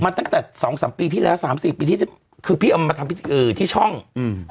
ตั้งแต่สองสามปีที่แล้วสามสี่ปีที่คือพี่เอามาทำพิธีเอ่อที่ช่องอืม